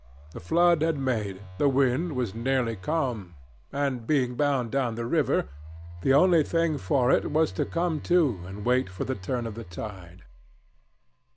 The flood had made, the wind was nearly calm, and being bound down the river, the only thing for it was to come to and wait for the turn of the tide.